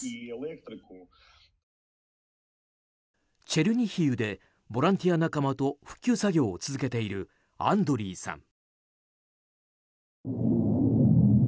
チェルニヒウでボランティア仲間と復旧作業を続けているアンドリイさん。